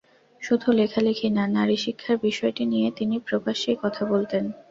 শুধু লেখালেখি না, নারীশিক্ষার বিষয়টি নিয়ে তিনি প্রকাশ্যেই কথা বলতেন।